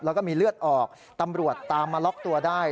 แล้วก็มีเลือดออกตำรวจตามมาล็อกตัวได้